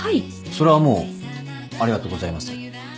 それはもうありがとうございます。